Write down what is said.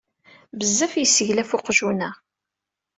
Bezzaf yesseglaf uqjun-a.